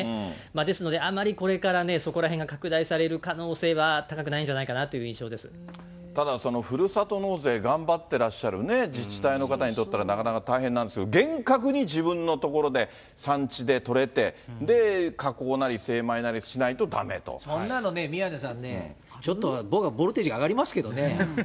ですので、あまりこれからね、そこらへんが拡大される可能性は高くないんじゃないかなという印ただ、ふるさと納税頑張ってらっしゃる自治体の方にとったらなかなか大変なんですが、厳格に自分の所で産地で取れて、で、加工なり精米なりしないとだそうなのね、宮根さんね、ちょっとは僕はボルテージが上がりますけどね。